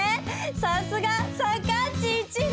さすがさかっち１号！